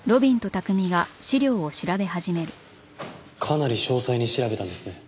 かなり詳細に調べたんですね。